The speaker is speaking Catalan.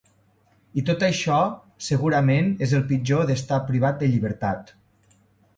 I tot això, segurament, és el pitjor d’estar privat de llibertat.